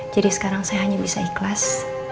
jadi sekarang saya hanya bisa ikhlas